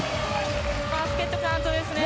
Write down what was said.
バスケットカウントですね。